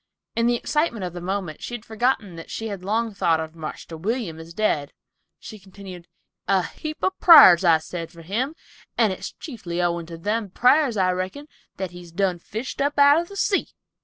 In the excitement of the moment she had forgotten that she had long thought of "Marster William" as dead; she continued, "A heap of prars I said for him, and it's chiefly owin' to them prars, I reckon, that he's done fished up out of the sea."